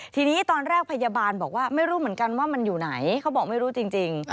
ทีนี้ตอนแรกพยาบาลบอกว่าไม่รู้เหมือนกันว่ามันอยู่ไหนเขาบอกไม่รู้จริง